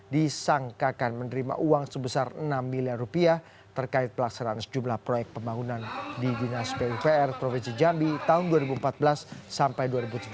disangkakan menerima uang sebesar enam miliar rupiah terkait pelaksanaan sejumlah proyek pembangunan di dinas pupr provinsi jambi tahun dua ribu empat belas sampai dua ribu tujuh belas